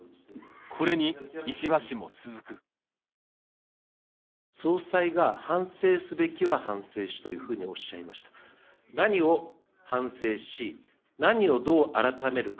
これに石破氏も続く総裁が「反省すべきは反省し」というふうにおっしゃいました何を反省し何をどう改めるか